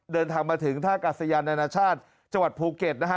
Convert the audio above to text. เดินทางมาถึงท่ากัศยานานาชาติจังหวัดภูเก็ตนะฮะ